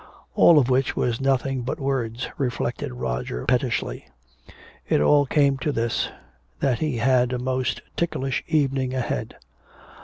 All of which was nothing but words, reflected Roger pettishly. It all came to this, that he had a most ticklish evening ahead!